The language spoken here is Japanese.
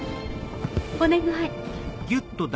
お願い。